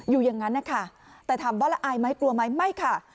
อยู่อย่างนั้นนะคะแต่ถามว่าละอายไหมกลัวไหมไม่ค่ะ